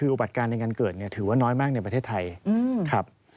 โอบัติการในเงินเกิดถือว่าน้อยมากในประเทศไทย